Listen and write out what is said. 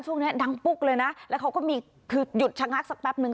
ช่วงนี้ดังปุ๊กเลยนะแล้วเขาก็มีคือหยุดชะงักสักแป๊บนึง